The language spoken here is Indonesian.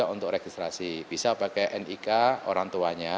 untuk registrasi bisa pakai nik orang tuanya